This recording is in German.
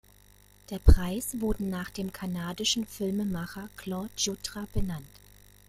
Der Preis wurden nach dem kanadischen Filmemacher Claude Jutra benannt.